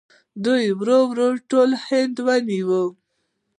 دوی ورو ورو ټول هند ونیو.